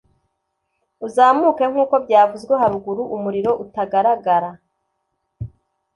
uzamuke, nkuko byavuzwe haruguru umuriro utagaragara